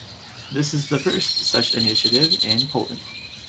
This is the first such initiative in Poland.